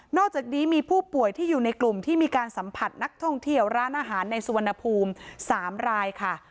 อกจากนี้มีผู้ป่วยที่อยู่ในกลุ่มที่มีการสัมผัสนักท่องเที่ยวร้านอาหารในสุวรรณภูมิ๓รายค่ะ